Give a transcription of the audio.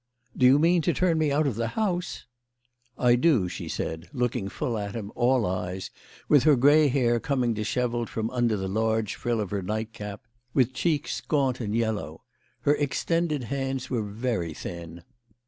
" Do you mean to turn me out of the house ?"" I do," she said, looking full at him, all eyes, with her grey hair coming dishevelled from under the large frill of her nightcap, with cheeks gaunt and yellow. Her extended hands were very thin.